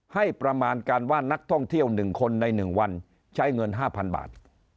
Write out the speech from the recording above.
ให้ประมาณการว่านักท่องเที่ยว๑คนใน๑วันใช้เงิน๕๐๐๐บาท